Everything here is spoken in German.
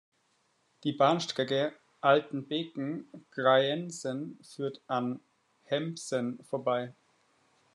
Die Bahnstrecke Altenbeken–Kreiensen führt an Hembsen vorbei.